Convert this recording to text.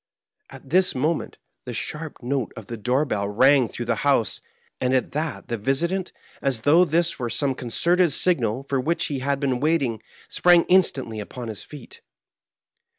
At this moment, the sharp note of the door bell rang through the house; and that visitant, as though this were some concerted signal for which he had been waiting, sprang instantly upon his feet.